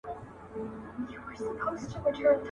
ښوروا مي درکول، پاته نه سوه.